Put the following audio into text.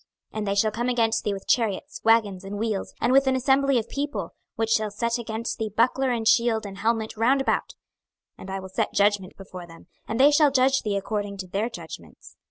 26:023:024 And they shall come against thee with chariots, wagons, and wheels, and with an assembly of people, which shall set against thee buckler and shield and helmet round about: and I will set judgment before them, and they shall judge thee according to their judgments.